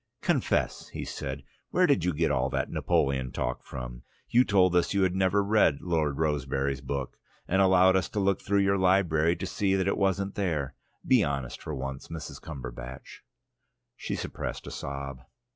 "Confess!" he said. "Where did you get all that Napoleon talk from? You told us you had never read Lord Rosebery's book, and allowed us to look through your library to see that it wasn't there. Be honest for once, Mrs. Cumberbatch." She suppressed a sob.